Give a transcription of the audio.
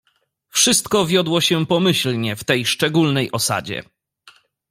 "Wszystko wiodło się pomyślnie w tej szczególnej osadzie."